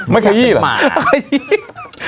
ไม่ขยี้เหรอไม่ขยี้เหรอ